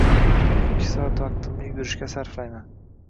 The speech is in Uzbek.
Har kuni ikki soat vaqtimni yugurishga sarflayman